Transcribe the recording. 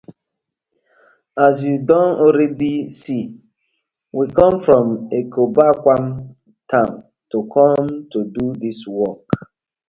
As yu don already see, we com from Ekoboakwan town to com to do dis work.